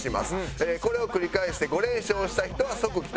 これを繰り返して５連勝した人は即帰宅。